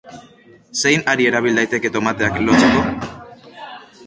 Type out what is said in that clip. Zein hari erabil daiteke tomateak lotzeko?